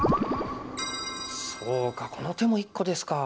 そうかこの手も１個ですか。